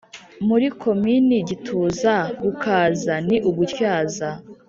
(muri komini gituza) gukaza ni ugutyaza